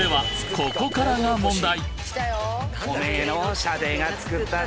ここからが問題